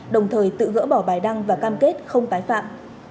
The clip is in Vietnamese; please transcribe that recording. đồng thời tự gỡ bỏ bài đăng và cam kết không tái phạm